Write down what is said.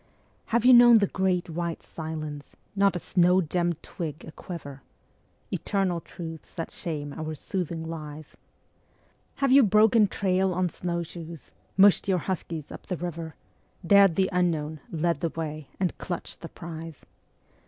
Have you known the Great White Silence, not a snow gemmed twig aquiver? (Eternal truths that shame our soothing lies). Have you broken trail on snowshoes? mushed your huskies up the river, Dared the unknown, led the way, and clutched the prize?